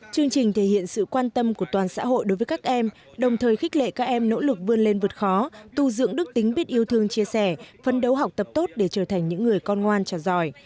chương trình thể hiện sự quan tâm của toàn xã hội đối với các em đồng thời khích lệ các em nỗ lực vươn lên vượt khó tu dưỡng đức tính biết yêu thương chia sẻ phân đấu học tập tốt để trở thành những người con ngoan trò giỏi